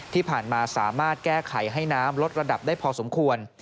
ที่ผ่านมาสามารถแก้ไขให้น้ำลดระดับได้พอสมควร